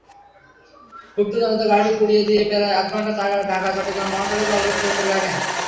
ক্ষুব্ধ জনতা গাড়িটি পুড়িয়ে দিয়ে প্রায় আধঘণ্টা ঢাকা-চট্টগ্রাম মহাসড়ক অবরোধ করে রাখেন।